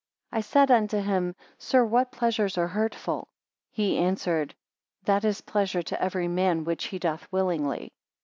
39 I said unto him; Sir, what pleasures are hurtful? He answered; That is pleasure to every man which he doth willingly.